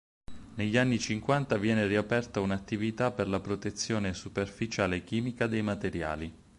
Negli anni cinquanta viene riaperta un'attività per la protezione superficiale chimica dei materiali.